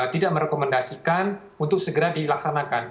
tidak merekomendasikan untuk segera dilaksanakan